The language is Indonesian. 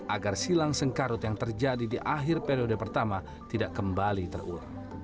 agar silang sengkarut yang terjadi di akhir periode pertama tidak kembali terulang